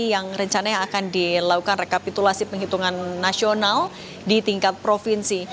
yang rencananya akan dilakukan rekapitulasi penghitungan nasional di tingkat provinsi